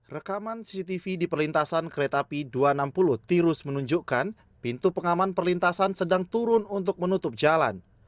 rekaman cctv di perlintasan kereta api dua ratus enam puluh tirus menunjukkan pintu pengaman perlintasan sedang turun untuk menutup jalan